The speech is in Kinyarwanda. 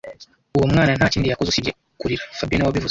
Uwo mwana nta kindi yakoze usibye kurira fabien niwe wabivuze